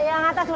yang atas dulu